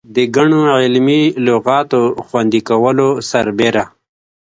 د ګڼو علمي لغاتو خوندي کولو سربېره.